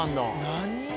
何？